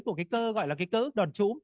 của cái cơ gọi là cái cơ ức đoàn trũ